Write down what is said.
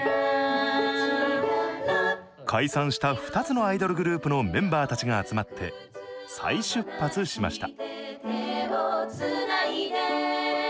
解散した２つのアイドルグループのメンバーたちが集まって再出発しました。